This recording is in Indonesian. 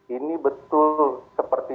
ini betul seperti